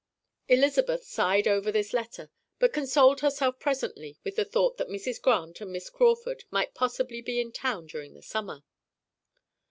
Elizabeth sighed over this letter, but consoled herself presently with the thought that Mrs. Grant and Miss Crawford might possibly be in town during the summer.